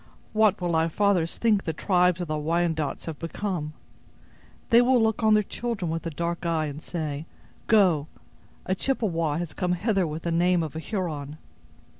What will our fathers think the tribes of the Wyandots have become? They will look on their children with a dark eye, and say, 'Go! a Chippewa has come hither with the name of a Huron.